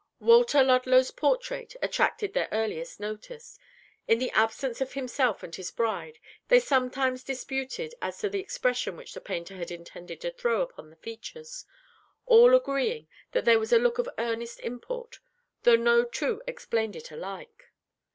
Walter Ludlow's portrait attracted their earliest notice. In the absence of himself and his bride, they sometimes disputed as to the expression which the painter had intended to throw upon the features; all agreeing that there was a look of earnest import, though no two explained it alike.